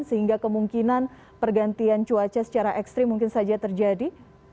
sehingga kemungkinan pergantian cuaca secara ekstrim mungkin saja terjadi